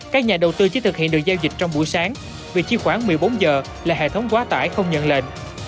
các nhà đầu tư chỉ thực hiện được giao dịch trong buổi sáng vì chi khoán một mươi bốn h là hệ thống quá tải không nhận lệnh